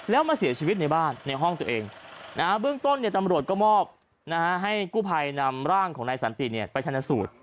แล้วมาเสียชีวิตในบ้านในห้องตัวเองเบื้องต้นตำรวจก็มอบให้กู้ภัยนำร่างของนายสันติไปชนะสูตร